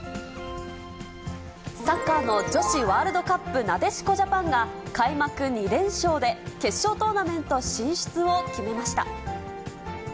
サッカーの女子ワールドカップなでしこジャパンが、開幕２連勝で、決勝トーナメント進出を決めました。